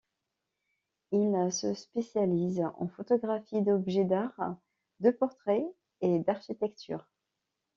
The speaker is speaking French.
Il se spécialise en photographies d'objets d'art, de portrait et d'architecture.